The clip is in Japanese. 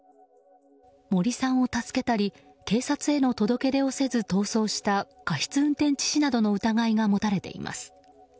森さんを助けたり警察への届け出をせず逃走した過失運転致死などの疑いが持たれています。